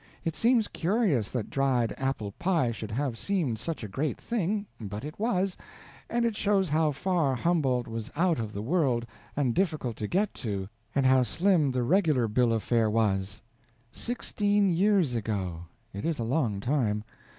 It seems curious that dried apple pie should have seemed such a great thing, but it was, and it shows how far Humboldt was out of the world and difficult to get to, and how slim the regular bill of fare was. Sixteen years ago it is a long time.